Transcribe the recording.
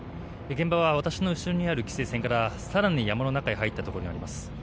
現場は私の後ろにある規制線から更に山の中に入ったところにあります。